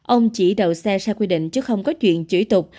ông chỉ đầu xe xa quy định chứ không có chuyện chửi tục